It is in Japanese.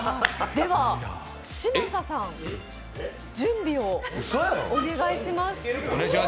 では嶋佐さん、準備をお願いします。